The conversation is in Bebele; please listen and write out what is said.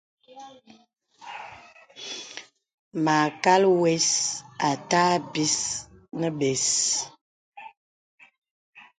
Mâkal wə̀s àtâ bis nə bə̀s.